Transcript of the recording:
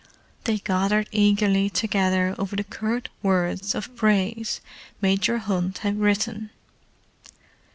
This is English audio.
They gathered eagerly together over the curt words of praise Major Hunt had written.